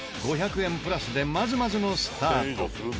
プラスでまずまずのスタート。